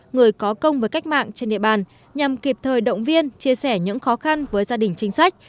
người có công với cách mạng trên địa bàn nhằm kịp thời động viên chia sẻ những khó khăn với gia đình chính sách